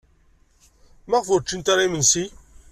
Maɣef ur ččint ara imensi?